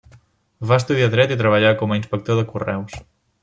Va estudiar dret i treballà com a inspector de correus.